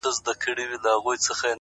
• هسي نه ده چي نېستۍ ته برابر سو ,